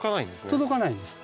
届かないんです。